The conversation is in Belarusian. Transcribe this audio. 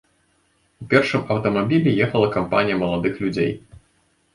У першым аўтамабілі ехала кампанія маладых людзей.